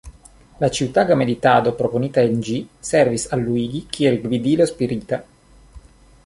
La ĉiutaga meditado proponita en ĝi servis al Luigi kiel gvidilo spirita.